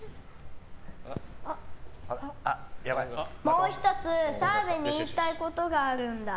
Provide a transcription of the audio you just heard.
もう１つ澤部に言いたいことがあるんだ。